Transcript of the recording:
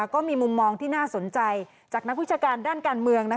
ก็มีมุมมองที่น่าสนใจจากนักวิชาการด้านการเมือง